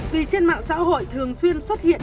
vì trên mạng xã hội thường xuyên xuất hiện